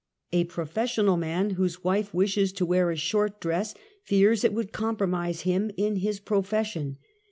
^ A professional man whose wife wishes to wear a short dress fears it would compromise him in his pro fession.